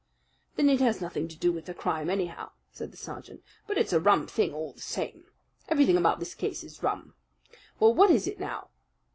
"Then it has nothing to do with the crime, anyhow," said the sergeant. "But it's a rum thing all the same. Everything about this case is rum. Well, what is it now?"